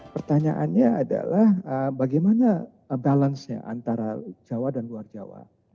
pertanyaannya adalah bagaimana balansnya antara jawa dan luar jawa